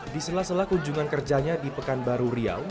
di sela sela kunjungan kerjanya di pekanbaru riau